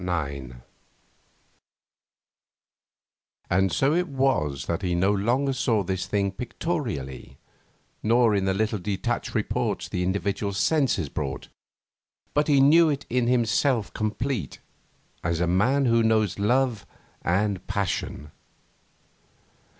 IX And so it was that he no longer saw this thing pictorially, nor in the little detached reports the individual senses brought, but knew it in himself complete, as a man knows love and passion.